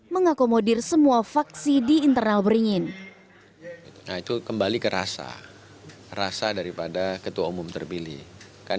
mengakomodir semua vaksi di internal beringin